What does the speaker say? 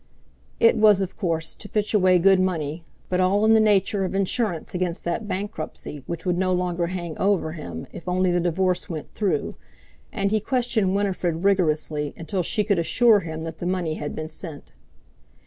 It was, of course, to pitch away good money, but all in the nature of insurance against that bankruptcy which would no longer hang over him if only the divorce went through; and he questioned Winifred rigorously until she could assure him that the money had been sent.